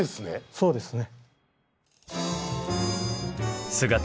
そうですね。